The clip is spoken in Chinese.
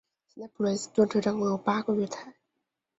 现在普雷斯顿车站共有八个月台。